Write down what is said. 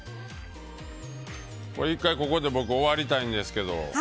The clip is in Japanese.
１回、ここで僕、終わりたいんですけど。